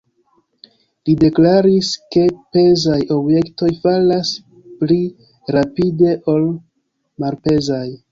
Li deklaris, ke pezaj objektoj falas pli rapide ol malpezaj.